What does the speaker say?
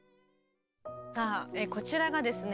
さあこちらがですね